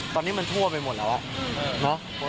ตอนนี้มันทั่วไปหมดแล้วอะเนาะ